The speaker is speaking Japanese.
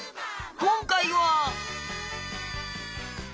今回は。